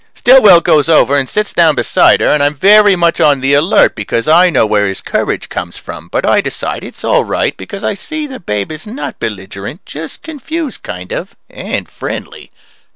Stillwell goes over and sits down beside her and I'm very much on the alert, because I know where his courage comes from. But I decide it's all right, because I see the babe is not belligerent, just confused kind of. And friendly.